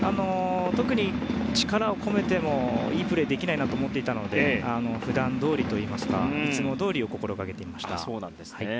特に力を込めてもいいプレーはできないと思っていたので普段どおりといいますかいつもどおりを心がけていました。